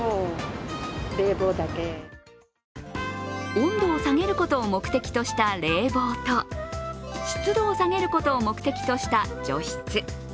温度を下げることを目的とした冷房と、湿度を下げることを目的とした除湿。